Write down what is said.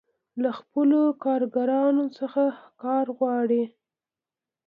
له خپلو کارکوونکو څخه کار غواړي.